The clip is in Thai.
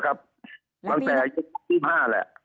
ตั้งแต่อายุ๒๕แหละ